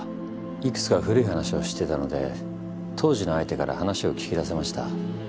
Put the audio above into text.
いくつか古い話は知ってたので当時の相手から話を聞き出せました。